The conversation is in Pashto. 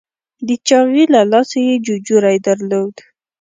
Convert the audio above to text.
د چاغي له لاسه یې ججوری درلود.